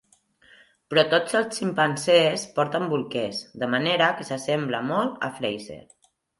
Però tots els ximpanzés porten bolquers, de manera que s'assembla molt a "Frasier".